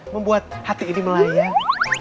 membuat hati ini melayang